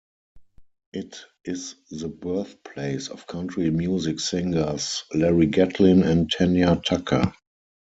It is the birthplace of country music singers Larry Gatlin and Tanya Tucker.